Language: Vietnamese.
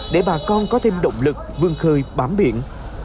để bà con có thêm động lực vươn khơi bám biển